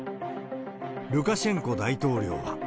ルカシェンコ大統領は。